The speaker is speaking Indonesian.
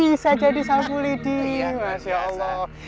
bisa jadi sapu lidi mas ya allah